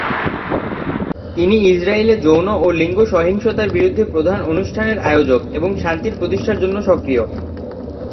তিনি ইসরায়েলে যৌন ও লিঙ্গ সহিংসতার বিরুদ্ধে প্রধান অনুষ্ঠানের আয়োজক, এবং শান্তির প্রতিষ্ঠার জন্য সক্রিয়।